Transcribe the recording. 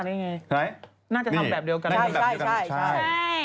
น่าจะทำแบบเดียวกัน